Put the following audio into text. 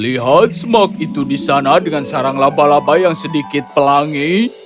lihat smoke itu di sana dengan sarang laba laba yang sedikit pelangi